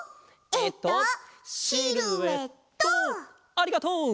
ありがとう。